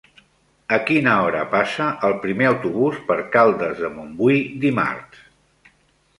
A quina hora passa el primer autobús per Caldes de Montbui dimarts?